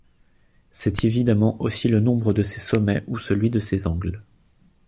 C'est évidemment aussi le nombre de ses sommets ou celui de ses angles.